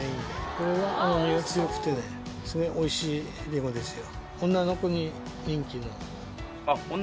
これは甘みが強くておいしいりんごですよ。